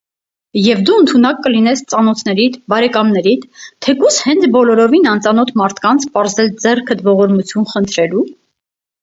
- Եվ դու ընդունակ կլինես ծանոթներիդ, բարեկամներիդ, թեկուզ հենց բոլորովին անծանոթ մարդկանց պարզել ձեռքդ ողորմություն խնդրելո՞ւ…